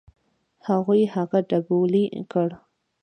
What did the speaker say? هغوی هغه ډبولی کړ.